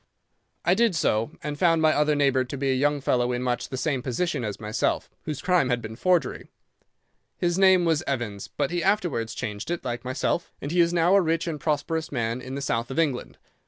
"'I did so, and found my other neighbour to be a young fellow in much the same position as myself, whose crime had been forgery. His name was Evans, but he afterwards changed it, like myself, and he is now a rich and prosperous man in the south of England.